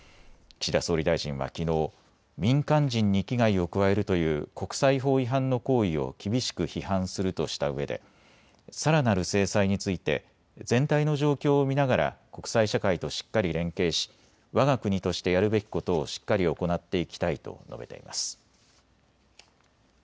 岸田総理大臣はきのう、民間人に危害を加えるという国際法違反の行為を厳しく批判するとしたうえでさらなる制裁について全体の状況を見ながら国際社会としっかり連携しわが国としてやるべきことをしっかり行っていきたいと述べています。